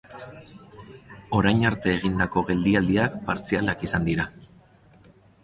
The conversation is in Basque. Orain arte egindako geldialdiak partzialak izan dira.